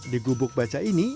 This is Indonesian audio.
di gubuk baca ini